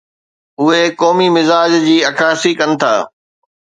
اهي قومي مزاج جي عڪاسي ڪن ٿا.